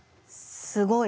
すごい。